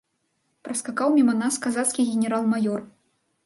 Праскакаў міма нас казацкі генерал-маёр.